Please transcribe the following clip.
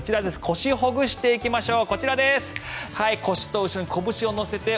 腰をほぐしていきましょう。